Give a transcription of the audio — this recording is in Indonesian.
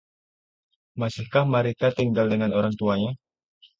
Masihkah Marika tinggal dengan orang tuanya?